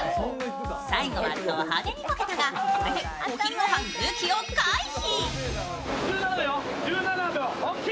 最後はド派手にこけたがこれでお昼ごはん抜きを回避。